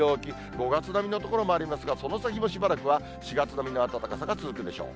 ５月並みの所もありますが、その先もしばらくは４月並みの暖かさが続くでしょう。